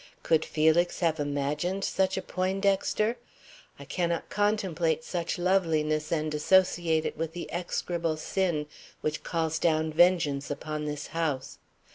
Could Felix have imagined such a Poindexter? I cannot contemplate such loveliness and associate it with the execrable sin which calls down vengeance upon this house.